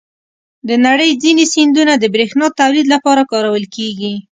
د نړۍ ځینې سیندونه د بریښنا تولید لپاره کارول کېږي.